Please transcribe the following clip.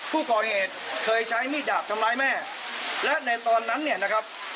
ผู้ก่อเหตุเคยใช้มีดดาบทำร้ายแม่และในตอนนั้นเนี่ยนะครับ